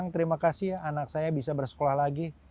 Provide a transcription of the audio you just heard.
terima kasih anak saya bisa bersekolah lagi